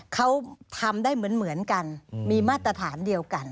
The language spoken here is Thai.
เขาทำได้เหมือนกันมีมาตรฐานเดียวกัน